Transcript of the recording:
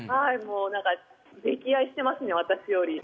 溺愛してますね、私より。